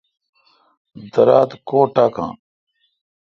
درا تہ کو ٹاکان۔